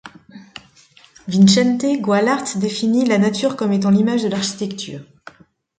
Vicente Guallart définit la nature comme étant l'image de l'architecture.